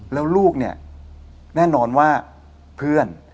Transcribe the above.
แล้วลูกเนี่ยแน่นอนว่าเพื่อน